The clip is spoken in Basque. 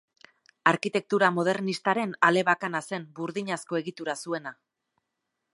Arkitektura modernistaren ale bakana zen, burdinazko egitura zuena.